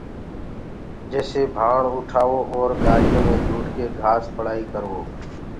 جيسي ڀآڻ اُٺآوو اور گآڏِيو مي جوٽڪي گھآس پݪائيٚ ڪروو